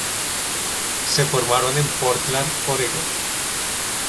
Se formaron en Portland, Oregón.